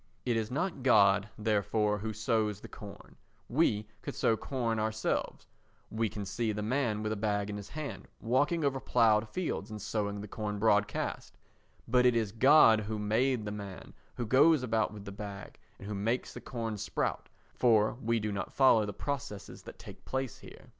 It is not God, therefore, who sows the corn—we could sow corn ourselves, we can see the man with a bag in his hand walking over ploughed fields and sowing the corn broadcast—but it is God who made the man who goes about with the bag, and who makes the corn sprout, for we do not follow the processes that take place here.